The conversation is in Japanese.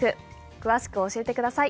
詳しく教えてください。